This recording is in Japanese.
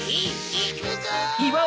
いくぞ！